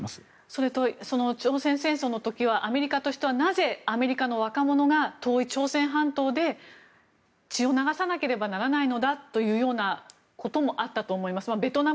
それとその朝鮮戦争の時はアメリカとしてはなぜ、アメリカの若者が遠い朝鮮半島で血を流さなければならないのだということもあったと思います。